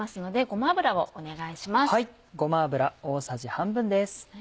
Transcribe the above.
ごま油大さじ半分です。